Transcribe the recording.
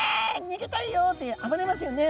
逃げたいよ！って暴れますよね。